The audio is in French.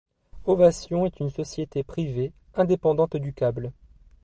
Ovation est une société privée, indépendante du câble.